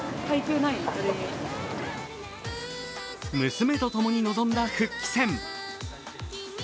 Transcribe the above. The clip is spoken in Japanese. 娘と共に臨んだ復帰戦。